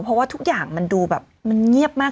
เพราะว่าทุกอย่างมันดูแบบมันเงียบมาก